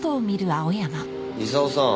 功さん。